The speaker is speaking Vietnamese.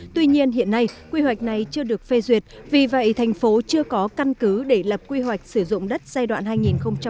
tuy nhiên hiện nay quy hoạch này chưa được phê duyệt vì vậy thành phố chưa có căn cứ để lập quy hoạch sử dụng đất giai đoạn hai nghìn hai mươi một hai nghìn ba mươi